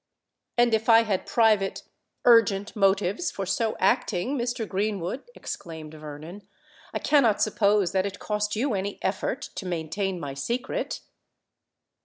"And if I had private—urgent motives for so acting, Mr. Greenwood," exclaimed Vernon, "I cannot suppose that it cost you any effort to maintain my secret."